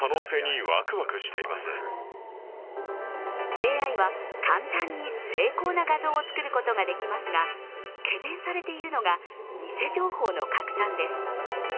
ＡＩは簡単に精巧な画像を作ることができますが、懸念されているのが偽情報の拡散です。